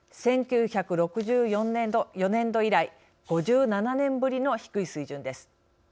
１９６４年度以来５７年ぶりの低い水準です。